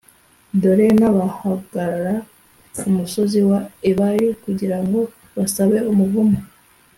dore n’abazahagarara ku musozi wa ebali kugira ngo basabe umuvumo: